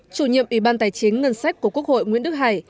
chủ nhiệm ủy ban tài chính ngân sách của quốc hội nguyễn đức hải